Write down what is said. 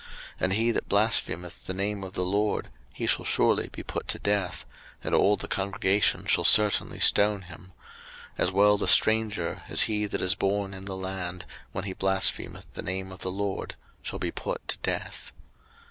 03:024:016 And he that blasphemeth the name of the LORD, he shall surely be put to death, and all the congregation shall certainly stone him: as well the stranger, as he that is born in the land, when he blasphemeth the name of the Lord, shall be put to death.